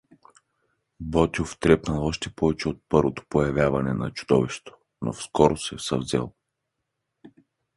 Ботйов трепнал още повече от първото появявание на чудовището, но скоро се съвзел.